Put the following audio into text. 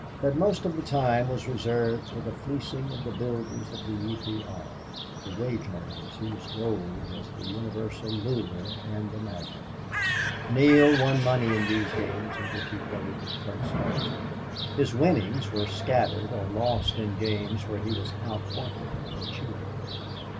But most of the time was reserved for the fleecing of the builders of the U. P. R., the wage earners whose gold was the universal lure and the magnet. Neale won money in those games in which he played with Place Hough. His winnings he scattered or lost in games where he was outpointed or cheated.